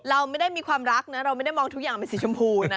เราไม่ได้มีความรักนะเราไม่ได้มองทุกอย่างเป็นสีชมพูนะ